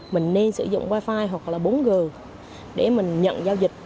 mình nên sử dụng wifi hoặc là bốn g để mình nhận giao dịch